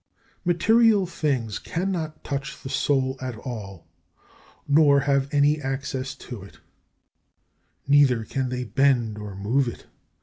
19. Material things cannot touch the soul at all, nor have any access to it: neither can they bend or move it.